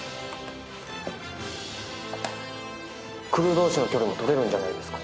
クルー同士の距離も取れるんじゃないですか？